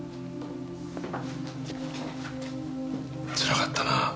つらかったな。